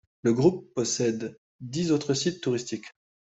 Le groupe possède dix autres sites touristiques.